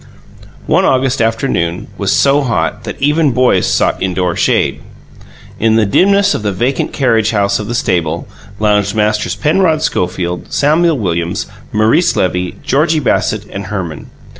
One August afternoon was so hot that even boys sought indoor shade. In the dimness of the vacant carriage house of the stable, lounged Masters Penrod Schofield, Samuel Williams, Maurice Levy, Georgie Bassett, and Herman.